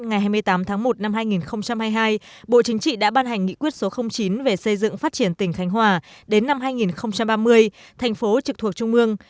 ngày hai mươi tám tháng một năm hai nghìn hai mươi hai bộ chính trị đã ban hành nghị quyết số chín về xây dựng phát triển tỉnh khánh hòa đến năm hai nghìn ba mươi thành phố trực thuộc trung ương